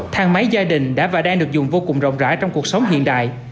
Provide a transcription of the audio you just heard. thang máy gia đình đã và đang được dùng vô cùng rộng rãi trong cuộc sống hiện đại